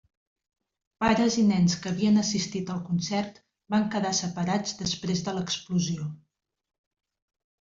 Pares i nens que havien assistit al concert van quedar separats després de l'explosió.